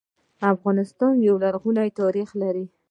افغانستان ډير لرغونی تاریخ لري